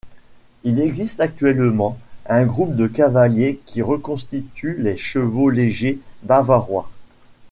Il existe actuellement un groupe de cavaliers qui reconstitue les chevau-légers bavarois.